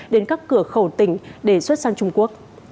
đến các cửa khẩu tỉnh để xuất sang trung quốc